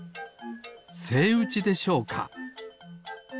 セイウチでしょうか？